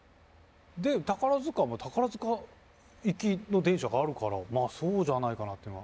で宝塚も宝塚行きの電車があるからまあそうじゃないかなっていうのは。